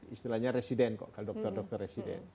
istilahnya resident kok kalau dokter dokter residen